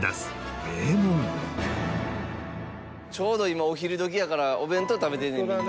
ちょうど今お昼どきやからお弁当食べてんねんみんな。